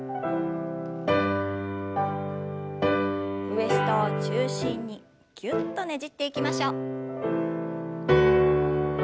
ウエストを中心にぎゅっとねじっていきましょう。